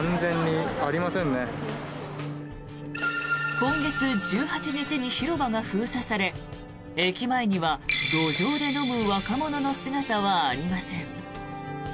今月１８日に広場が封鎖され駅前には路上で飲む若者の姿はありません。